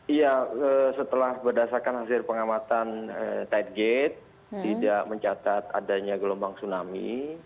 iya setelah berdasarkan hasil pengamatan tide gate tidak mencatat adanya gelombang tsunami